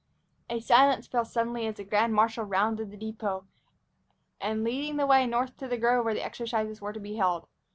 A silence fell suddenly as the grand marshal rounded the depot, leading the way north to the grove where the exercises were to be held.